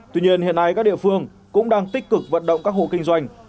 tuy nhiên hiện nay các địa phương cũng đang tích cực vận động các hộ kinh doanh